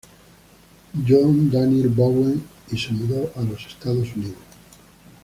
John Daniel Bowen, y se mudó a los Estados Unidos.